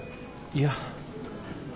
いや。